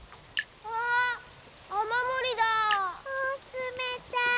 つめたい。